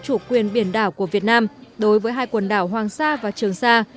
chủ quyền biển đảo của việt nam đối với hai quần đảo hoàng sa và trường sa